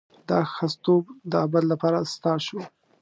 دا ښځتوب د ابد لپاره ستا شو.